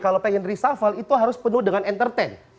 kalau pengen reshuffle itu harus penuh dengan entertain